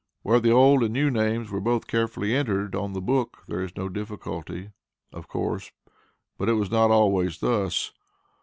Where the old and new names were both carefully entered on the book there is no difficulty, of course, but it was not always thus.